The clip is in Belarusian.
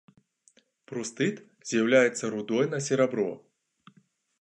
Прустыт з'яўляецца рудой на серабро.